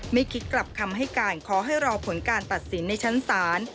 ไม่คิดกลับคำให้การขอให้รอผลการตัดสินในชั้นศาล